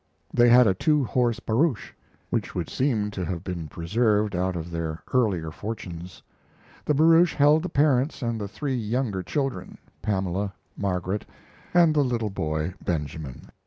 They had a two horse barouche, which would seem to have been preserved out of their earlier fortunes. The barouche held the parents and the three younger children, Pamela, Margaret, anal the little boy, Benjamin.